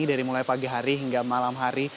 dari mulai pagi hari hingga malam hari